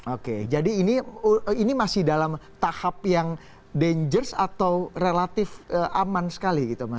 oke jadi ini masih dalam tahap yang dangers atau relatif aman sekali gitu mas